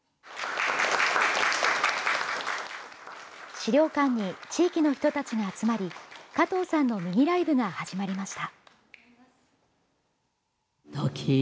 資料館に地域の人たちが集まり加藤さんのミニライブが始まりました。